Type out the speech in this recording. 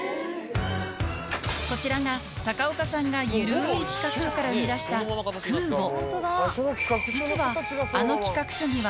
こちらが高岡さんが緩い企画書から生み出したＱｏｏｂｏ